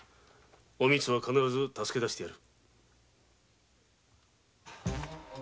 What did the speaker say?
おみつは必ず助け出してやる。